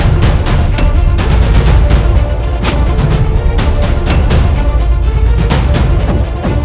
aku sudah menemukanmu semua